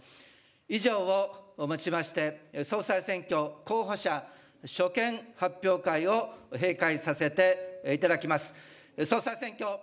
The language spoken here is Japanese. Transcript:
以上をもちまして、総裁選挙候補者所見発表会を閉会させていただきます。